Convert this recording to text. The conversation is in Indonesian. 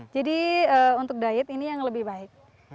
jadi untuk diet ini yang lebih baik